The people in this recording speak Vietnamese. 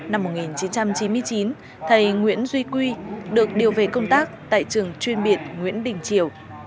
năm một nghìn chín trăm chín mươi chín thầy nguyễn duy quy được điều về công tác tại trường chuyên biệt nguyễn đình triều